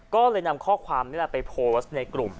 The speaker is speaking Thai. ก็เลยนำข้อความนี่แหละไปโพสต์ในกลุ่ม